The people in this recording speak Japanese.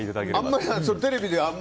あんまりテレビで。